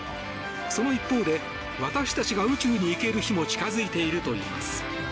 その一方で私たちが宇宙に行ける日も近付いているといいます。